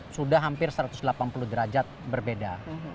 sudah hampir satu ratus delapan puluh derajat berbeda